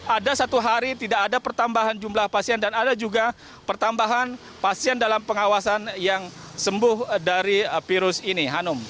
ada satu hari tidak ada pertambahan jumlah pasien dan ada juga pertambahan pasien dalam pengawasan yang sembuh dari virus ini hanum